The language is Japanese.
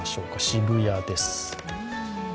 渋谷です。